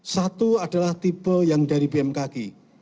satu adalah tipe yang dari bmkg